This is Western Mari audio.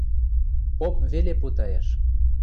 Поп веле путайыш.